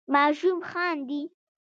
ماشوم خاندي.